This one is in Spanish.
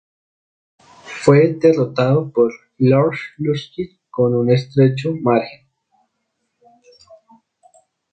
Fue derrotado por Igor Luksic con un estrecho margen.